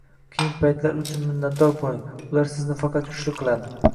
Qiyin paytlar uchun minnatdor bo'ling, ular sizni faqat kuchli qiladi"